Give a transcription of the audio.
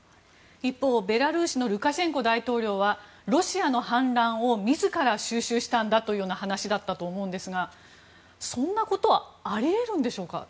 一方、ベラルーシのルカシェンコ大統領はロシアの反乱を自ら収拾したんだという話だったと思うんですがそんなことはあり得るんですか？